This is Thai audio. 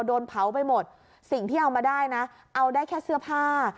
โดนเผาไปหมดสิ่งที่เอามาได้นะเอาได้แค่เสื้อผ้า